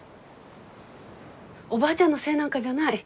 おばあちゃんのせいなんかじゃない。